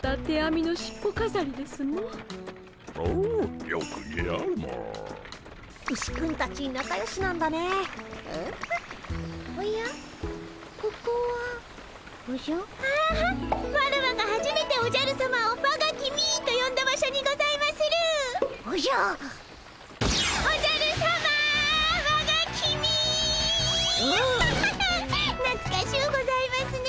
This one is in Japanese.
アハハハッなつかしゅうございますね